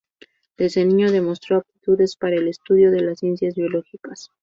Desde niño demostró aptitudes para el estudio de las ciencias biológicas.